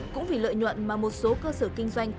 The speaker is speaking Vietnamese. cũng vì lợi nhuận mà một số cơ sở kinh doanh